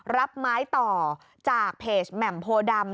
รับไม้ต่อจากเพจแหม่มโพดำ